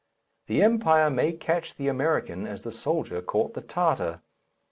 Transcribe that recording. The Empire may catch the American as the soldier caught the Tartar.